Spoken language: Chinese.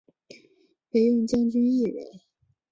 惟用将军一人。